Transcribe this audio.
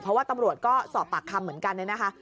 เพราะว่าตำรวจก็สอบปากคำเหมือนกันเนี่ยนะคะ